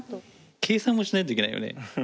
計算もしないといけないよね。